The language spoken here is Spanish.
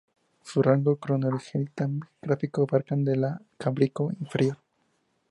Su rango cronoestratigráfico abarcaba el Cámbrico inferior.